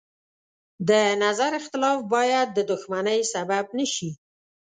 د نظر اختلاف باید د دښمنۍ سبب نه شي.